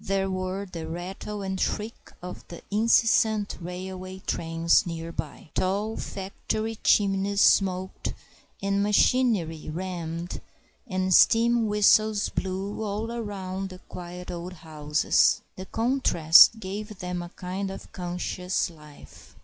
There were the rattle and shriek of the incessant railway trains near by. Tall factory chimneys smoked and machinery hummed and steam whistles blew all around the quiet old houses. The contrast gave them a kind of conscious life.